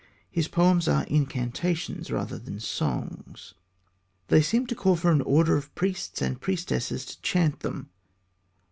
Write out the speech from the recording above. His poems are incantations rather than songs. They seem to call for an order of priests and priestesses to chant them.